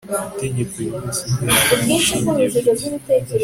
itegeko ryose ryaba rishingiye kuki